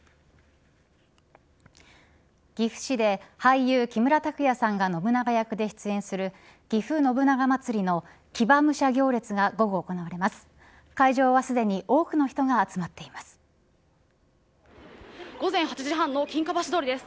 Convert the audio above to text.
岐阜市で、俳優木村拓哉さんが信長役で出演するぎふ信長まつりの騎馬武者行列が午後行われます。